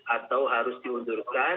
atau harus diundurkan